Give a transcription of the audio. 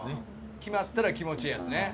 決まったら気持ちええやつね。